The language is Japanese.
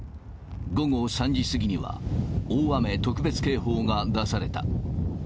午後３時過ぎには、大雨特別警報が出された。